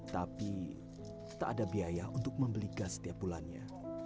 tapi tak ada biaya untuk membeli gas setiap bulannya